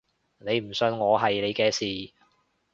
你唔信我係你嘅事